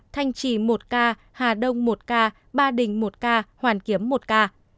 thanh trì một ca hà đông một ca ba đình một ca hoàn kiếm một ca